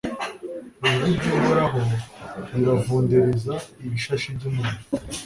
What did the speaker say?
Ijwi ry’Uhoraho riravundereza ibishashi by’umuriro